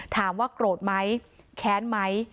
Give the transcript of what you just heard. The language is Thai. ถามว่าโกรธไหมแค้นไหม